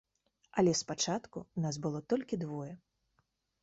Але спачатку нас было толькі двое.